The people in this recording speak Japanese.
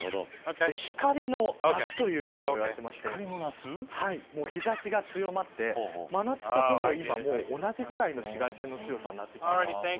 光の夏というふうにも言われていまして日差しが強まって、真夏とほぼ今同じくらいの紫外線の強さになってきています。